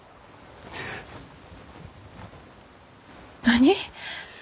何？